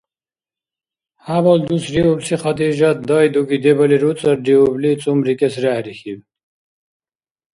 ХӀябал дус риубси Хадижат, дайдуги дебали руцӀарриубли цӀумрикӀес рехӀрихьиб.